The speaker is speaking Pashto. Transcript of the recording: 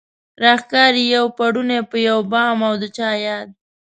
راښکاري يو پړونی په يو بام او د چا ياد